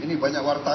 ini banyak wartawan ya